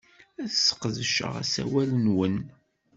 Ad sqedceɣ asawal-nwen.